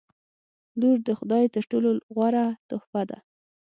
• لور د خدای تر ټولو غوره تحفه ده.